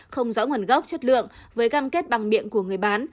không rõ nguồn gốc chất lượng với cam kết bằng miệng của người bán